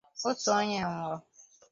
otu onye nwụrụ